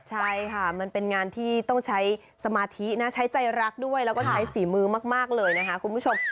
ใช่ค่ะมันเป็นงานที่ต้องใช้สมาธินะใช้ใจรักด้วยแล้วก็ใช้ฝีมือมากเลยนะคะคุณผู้ชม